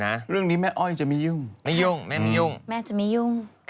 เรื่องนี้แม่อ้อยจะไม่ยุ่งไม่ยุ่งแม่ไม่ยุ่งแม่จะไม่ยุ่ง